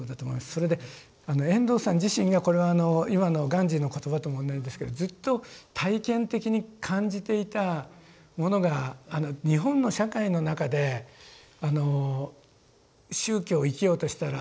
それで遠藤さん自身がこれは今のガンジーの言葉とも同じですけどずっと体験的に感じていたものが日本の社会の中で宗教を生きようとしたらですね